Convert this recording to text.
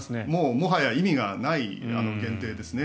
もはや意味がない限定ですね。